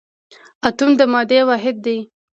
اتوم د مادې واحد دی